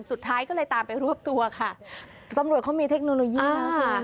สุดท้ายก็เลยตามไปรวบตัวค่ะตำรวจเขามีเทคโนโลยีค่ะ